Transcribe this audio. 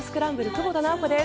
久保田直子です。